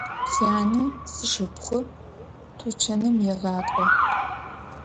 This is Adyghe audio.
Syane sşşıpxhu tuçanım yêğak'o.